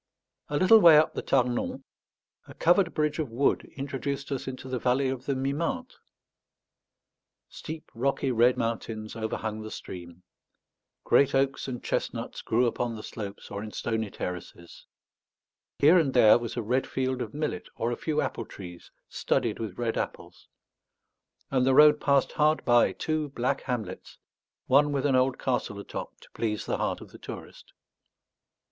A little way up the Tarnon, a covered bridge of wood introduced us into the valley of the Mimente. Steep rocky red mountains overhung the stream; great oaks and chestnuts grew upon the slopes or in stony terraces; here and there was a red field of millet or a few apple trees studded with red apples; and the road passed hard by two black hamlets, one with an old castle atop to please the heart of the tourist.